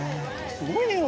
すごいね。